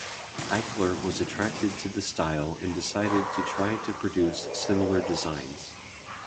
Eichler was attracted to the style and decided to try to produce similar designs.